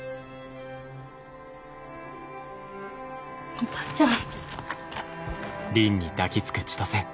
おばちゃん！